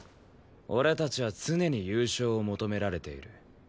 俺たちは常に優勝を求められている。